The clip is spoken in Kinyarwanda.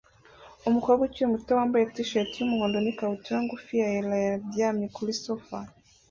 Umukobwa ukiri muto wambaye t-shati yumuhondo n ikabutura ngufi ya elayo araryamye kuri sofa